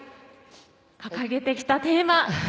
掲げてきたテーマ脱！